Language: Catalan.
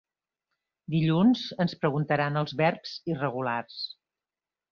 Dilluns ens preguntaran els verbs irregulars.